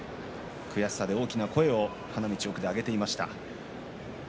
悔しさで大きな声を花道の奥で上げていました。